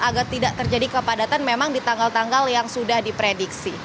agar tidak terjadi kepadatan memang di tanggal tanggal yang sudah diprediksi